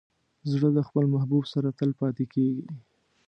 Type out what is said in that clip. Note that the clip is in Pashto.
زړه د خپل محبوب سره تل پاتې کېږي.